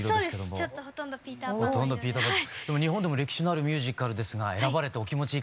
日本でも歴史のあるミュージカルですが選ばれてお気持ちいかがですか？